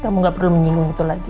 kamu gak perlu menyinggung itu lagi